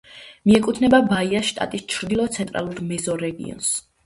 მიეკუთვნება ბაიას შტატის ჩრდილო-ცენტრალურ მეზორეგიონს.